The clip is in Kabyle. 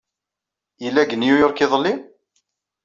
Yella deg New York iḍelli?